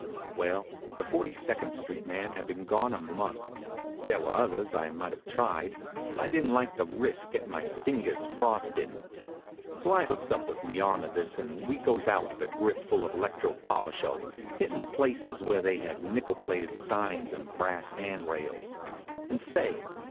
Well, the Forty second Street man had been gone a month. There was others I might have tried, but I didn't like to risk gettin' my fingers frost bitten. So I hooks up with Leonidas and we goes out with a grip full of Electro Polisho, hittin' the places where they had nickel plated signs and brass hand rails. And say!